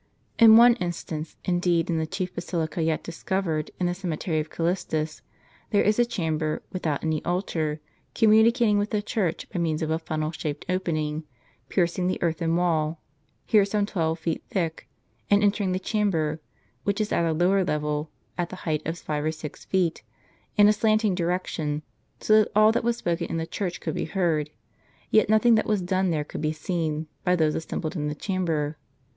In one instance, indeed in the chief basilica yet discovered in the cemetery of Callistus, there is a chamber without any altar, communicating with the church by means of a funnel shaped opening, piercing the earthen wall, here some twelve feet thiclc, and entering the chamber, which is at a lower level, at the height of five or six feet, in a slant ing direction ; so that all that was spoken in the church could be heard, yet nothing that was done there could be seen, by those assembled in the cham ber.